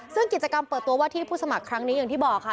ซึ่งกิจกรรมเปิดตัวว่าที่ผู้สมัครครั้งนี้อย่างที่บอกค่ะ